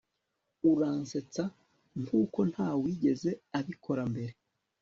uransetsa nkuko ntawigeze abikora mbere